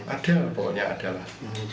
ada pokoknya ada lah